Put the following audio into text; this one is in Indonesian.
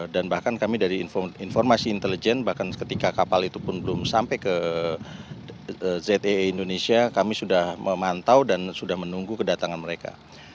dan bahkan kami dari informasi intelijen bahkan ketika kapal itu pun belum sampai ke zee indonesia kami sudah memantau dan sudah menunggu kedatangan mereka